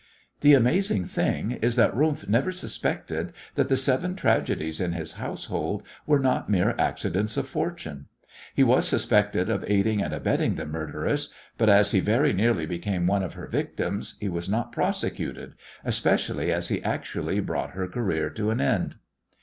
The amazing thing is that Rumf never suspected that the seven tragedies in his household were not mere accidents of fortune. He was suspected of aiding and abetting the murderess, but as he very nearly became one of her victims he was not prosecuted, especially as he actually brought her career to an end.